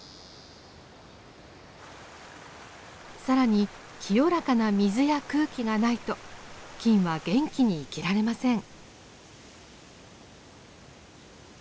更に清らかな水や空気がないと菌は元気に生きられません。